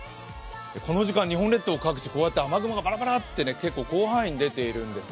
この時間日本列島各地雨雲がバラバラって結構広範囲に出ているんですよ。